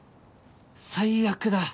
最悪だ！